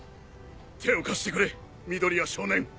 手を貸してくれ緑谷少年。